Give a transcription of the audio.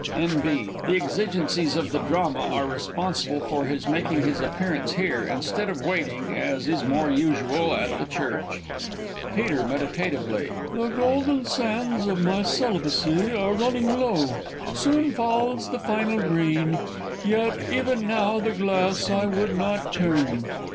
N.B. The exigencies of the Drama are responsible for his making his appearance here, instead of waiting, as is more usual, at the church._ Peter (meditatively). The golden sands of my celibacy Are running low soon falls the final grain! Yet, even now, the glass I would not turn.